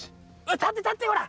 立って立ってほら。